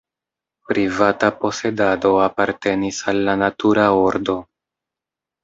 Privata posedado apartenis al la natura ordo.